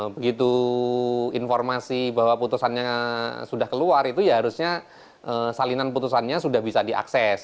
begitu informasi bahwa putusannya sudah keluar itu ya harusnya salinan putusannya sudah bisa diakses